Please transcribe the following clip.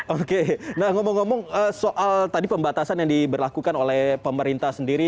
oke nah ngomong ngomong soal tadi pembatasan yang diberlakukan oleh pemerintah sendiri